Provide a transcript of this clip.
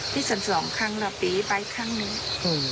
ที่สันสองครั้งละปีไปครั้งนึง